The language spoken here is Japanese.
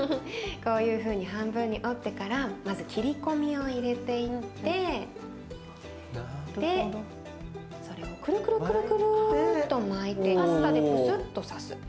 こういうふうに半分に折ってからまず切り込みを入れていってでそれをくるくるくるくると巻いてパスタでプスッと刺す。